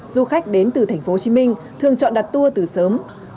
du khách đến từ thành phố hồ chí minh thường chọn đặt tour từ sớm